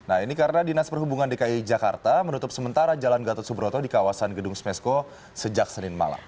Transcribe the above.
nah ini karena dinas perhubungan dki jakarta menutup sementara jalan gatot subroto di kawasan gedung smesko sejak senin malam